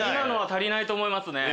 足りないと思いますね。